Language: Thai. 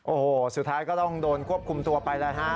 โอ้โหสุดท้ายก็ต้องโดนควบคุมตัวไปแล้วฮะ